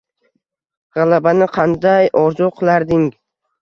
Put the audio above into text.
G’alabani qanday orzu qilarding!